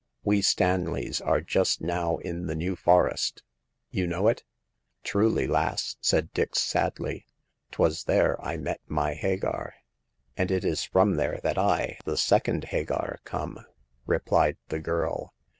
We Stanleys are just now in the New Forest. You know it ?' "Truly, lass," said Dix, sadly. "'Twas there I met my Hagar." " And it is from there that I, the second Hagar, come," replied the girl.